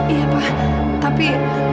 iya pak tapi